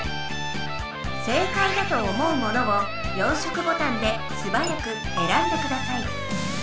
正解だと思うものを４色ボタンですばやくえらんでください。